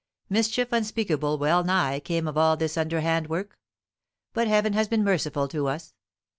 Mischief unspeakable well nigh came of all this underhand work. But heaven has been merciful to us.